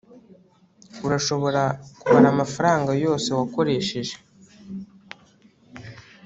urashobora kubara amafaranga yose wakoresheje